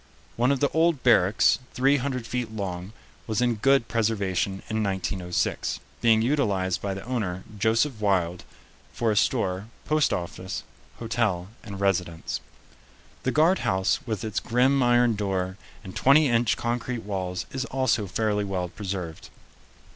One of the old barracks, three hundred feet long, was in good preservation in 1906, being utilized by the owner, Joseph Wilde, for a store, post office, hotel, and residence. The guard house with its grim iron door and twenty inch concrete walls is also fairly well preserved.